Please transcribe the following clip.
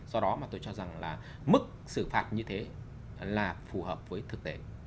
do đó mà tôi cho rằng là mức xử phạt như thế là phù hợp với thực tế